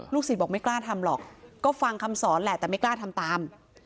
ศิษย์บอกไม่กล้าทำหรอกก็ฟังคำสอนแหละแต่ไม่กล้าทำตาม